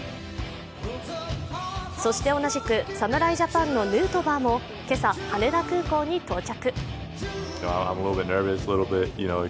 そして同じく、侍ジャパンのヌートバーも今朝、羽田空港に到着。